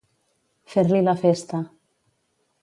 Fer-li la festa.